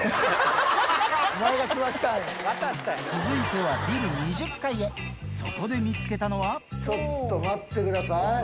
続いてはビル２０階へそこで見つけたのはちょっと待ってください。